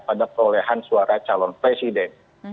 pada perolehan suara calon presiden